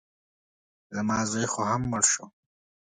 زما زوی خو هم مړ شو.